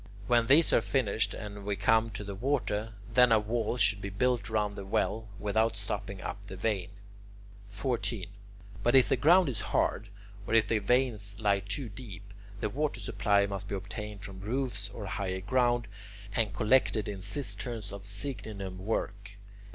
When these are finished and we come to the water, then a wall should be built round the well without stopping up the vein. 14. But if the ground is hard, or if the veins lie too deep, the water supply must be obtained from roofs or higher ground, and collected in cisterns of "signinum work."